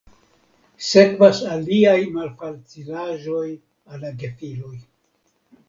Sekvas aliaj malfacilaĵoj al la gefiloj.